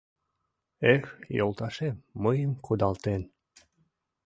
Эх, йолташем мыйым кудалтен